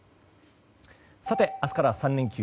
明日から３連休。